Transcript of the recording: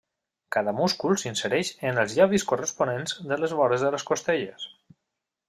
Cada múscul s'insereix en els llavis corresponents de les vores de les costelles.